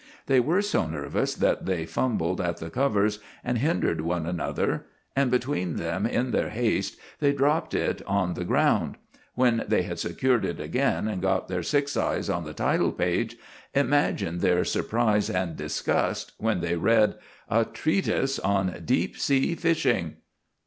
They were so nervous that they fumbled at the covers and hindered one another; and between them, in their haste, they dropped it on the ground. When they had secured it again and got their six eyes on the title page, imagine their surprise and disgust when they read, "A Treatise on Deep Sea Fishing"!